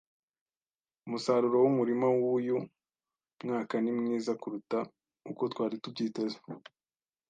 Umusaruro wumurima wuyu mwaka ni mwiza kuruta uko twari tubyiteze.